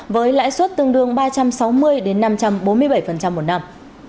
với lãi suất tương đương ba trăm sáu mươi năm trăm bốn mươi bảy một năm